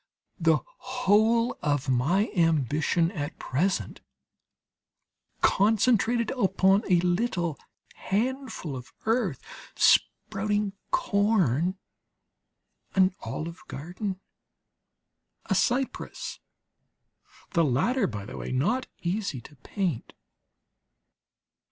The whole of my ambition is at present concentrated upon a little handful of earth, sprouting corn, an olive garden, a cypress (the latter, by the way, not easy to paint).